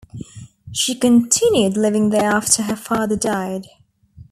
She continued living there after her father died.